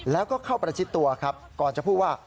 แล้วก็เข้าประชิดตัวครับก่อนจะพูดว่า